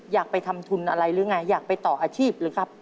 อยากไปทำทุนอะไรหรือไงอยากไปต่ออาชีพหรือครับ